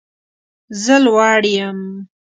زه لوړ یم